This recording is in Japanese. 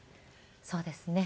そうですね。